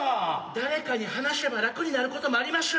誰かに話しぇば楽になることもありましゅ。